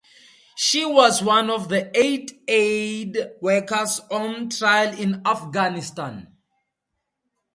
She was one of eight aid workers on trial in Afghanistan.